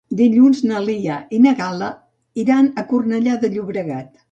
Dilluns na Lia i na Gal·la iran a Cornellà de Llobregat.